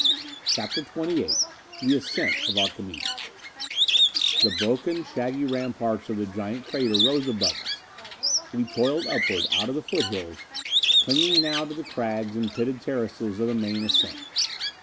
CHAPTER XXVIII The Ascent of Archimedes The broken shaggy ramparts of the giant crater rose above us. We toiled upward, out of the foothills, clinging now to the crags and pitted terraces of the main ascent.